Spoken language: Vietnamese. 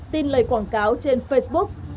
tin lời quảng cáo trên facebook